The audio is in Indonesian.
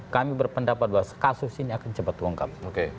kami berpendapat bahwa kasus ini akan cepat terungkap